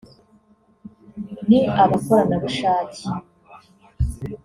ni abakoranabushake